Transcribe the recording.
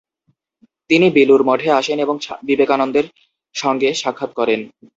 তিনি বেলুড়মঠে আসেন এবং বিবেকানন্দের সঙ্গে সাক্ষাত করেন।